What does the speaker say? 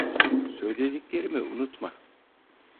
Söylediklerimi unutma.